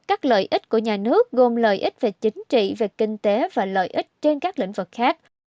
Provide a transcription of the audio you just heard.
các lợi ích của nhà nước gồm lợi ích về chính trị về kinh tế và lợi ích trên các lĩnh vực khác